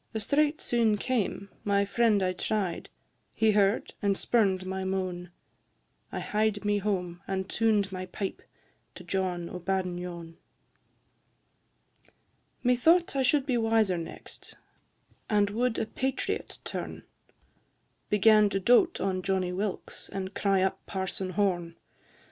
A strait soon came: my friend I try'd; He heard, and spurn'd my moan; I hied me home, and tuned my pipe To John o' Badenyon. IV. Methought I should be wiser next, And would a patriot turn, Began to doat on Johnny Wilkes And cry up Parson Horne.